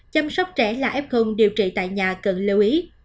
chăm sóc trẻ là f điều trị tại nhà cần lưu ý